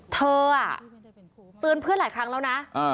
เธอเตือนเพื่อนหลายครั้งแล้วนะ